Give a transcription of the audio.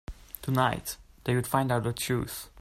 Tonight, they would find out the truth.